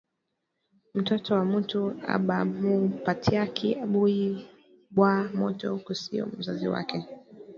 Mtoto wa mutu abamupatiaki buyi bwa moto kusio mzazi wake